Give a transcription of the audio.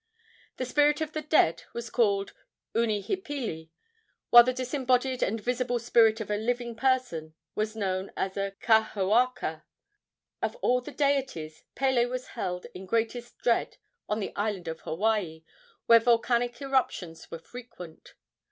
The spirit of the dead was called unihipili, while the disembodied and visible spirit of a living person was known as kahoaka. Of all the deities Pele was held in greatest dread on the island of Hawaii, where volcanic irruptions were frequent.